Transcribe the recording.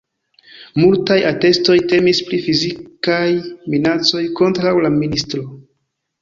Multaj atestoj temis pri fizikaj minacoj kontraŭ la ministro.